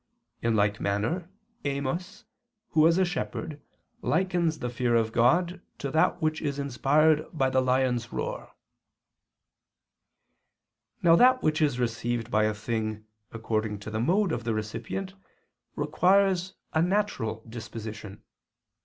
In like manner Amos, who was a shepherd, likens the fear of God to that which is inspired by the lion's roar." Now that which is received by a thing according to the mode of the recipient requires a natural disposition.